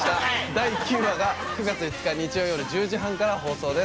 第９話が９月５日日曜夜１０時半から放送です。